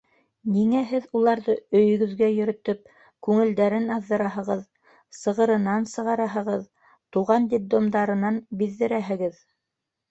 Ниңә һеҙ уларҙы өйөгөҙгә йөрөтөп күңелдәрен аҙҙыраһығыҙ, сығырынан сығараһығыҙ, туған детдомдарынан биҙҙерәһегеҙ?